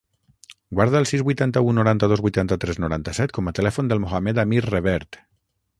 Guarda el sis, vuitanta-u, noranta-dos, vuitanta-tres, noranta-set com a telèfon del Mohamed amir Revert.